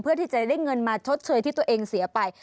เพื่อที่จะได้เงินมาชดเชยที่ตัวเองเสียไป